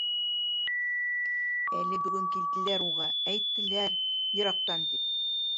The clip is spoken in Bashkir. Әле бөгөн килделәр уға, әйттеләр, йыраҡтан, тип.